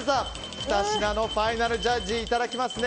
２品のファイナルジャッジいただきますね。